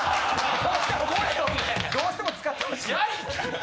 どうしても使ってほしい。